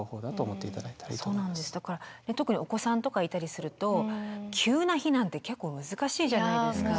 特にお子さんとかいたりすると急な避難って結構難しいじゃないですか。